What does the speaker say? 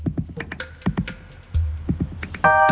makan malem malem waktu sekitarnya